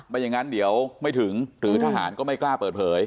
ไม่อย่างนั้นเดี๋ยวไม่ถึงหรือทหารก็ไม่กล้าเปิดเผย